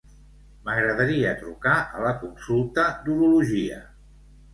M'agradaria trucar a la consulta d'urologia.